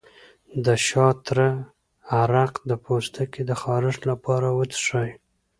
د شاه تره عرق د پوستکي د خارښ لپاره وڅښئ